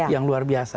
yang luar biasa